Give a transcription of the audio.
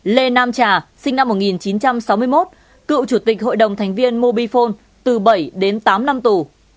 lê nam trà sinh năm một nghìn chín trăm sáu mươi một cựu chủ tịch hội đồng thành viên mobifone từ bảy đến tám năm tù